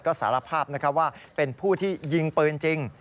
ก็สารภาพว่าเป็นผู้ที่ยิงปืนจริง